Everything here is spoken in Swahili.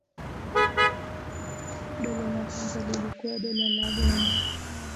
Dola la kwanza lilikuwa Dola la Ghana.